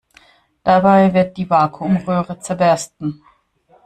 Dabei wird die Vakuumröhre zerbersten.